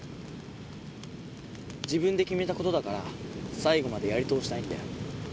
自分で決めたことだから最後までやり通したいんだよ。